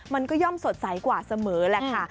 มันก็ย่อมสดใสกว่าเสมอแหละค่ะ